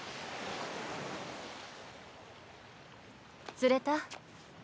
・釣れた？